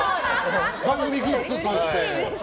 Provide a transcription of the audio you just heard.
番組グッズとして。